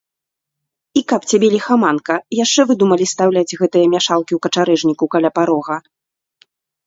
І каб цябе ліхаманка, яшчэ выдумалі стаўляць гэтыя мешалкі ў качарэжніку, каля парога.